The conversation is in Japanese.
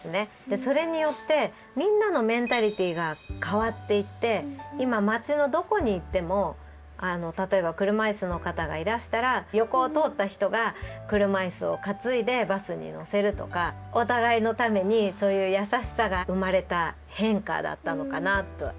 それによってみんなのメンタリティーが変わっていって今街のどこに行っても例えば車椅子の方がいらしたら横を通った人が車椅子を担いでバスに乗せるとかお互いのためにそういう優しさが生まれた変化だったのかなと。